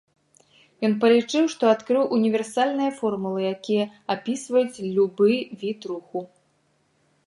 Ён палічыў, што адкрыў універсальныя формулы, якія апісваюць любы від руху.